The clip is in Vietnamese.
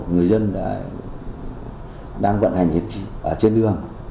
người dân đang vận hành trên đường